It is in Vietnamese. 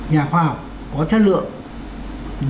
nhà khoa học có chất lượng